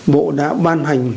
bộ đã ban hành